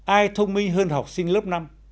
ai thông minh hơn học sinh lớp năm